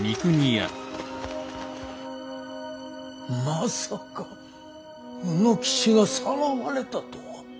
まさか卯之吉がさらわれたとは。